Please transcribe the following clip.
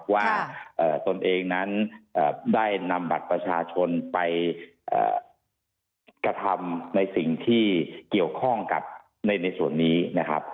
ตนเองนั้นได้นำบัตรประชาชนไปกระทำในสิ่งที่เกี่ยวข้องกับในส่วนนี้นะครับ